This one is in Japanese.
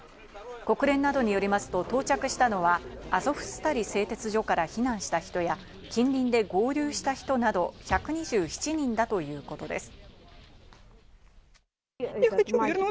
国連などによりますと到着したのはアゾフスタリ製鉄所から避難した人や、近隣で合流した人など１２７人だということです。